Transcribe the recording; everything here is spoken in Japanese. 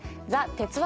鉄腕！